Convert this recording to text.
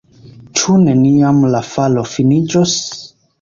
Ĉu neniam la falo finiĝos?